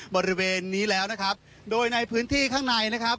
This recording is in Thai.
บริเวณนี้แล้วนะครับโดยในพื้นที่ข้างในนะครับ